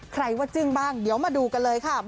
ว่าจึ้งบ้างเดี๋ยวมาดูกันเลยค่ะ